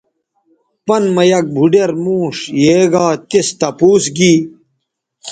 پَن مہ یک بُھوڈیر موݜ یے گا تِس تپوس گی